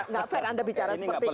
tidak fair anda bicara seperti itu